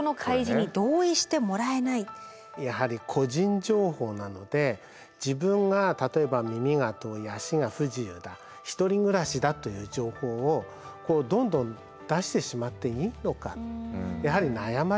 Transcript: やはり個人情報なので自分が例えば耳が遠い足が不自由だ１人暮らしだという情報をどんどん出してしまっていいのかやはり悩まれますよね。